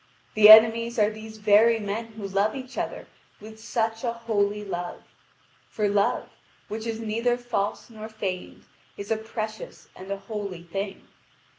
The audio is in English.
The enemies are these very men who love each other with such a holy love for love, which is neither false nor feigned, is a precious and a holy thing.